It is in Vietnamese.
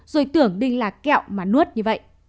rồi tưởng đinh là kẹo mà nuốt như vậy